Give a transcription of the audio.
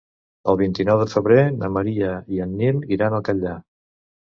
El vint-i-nou de febrer na Maria i en Nil iran al Catllar.